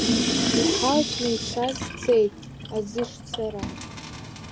Иҳалҵны ицаз цеит, аӡы шцара…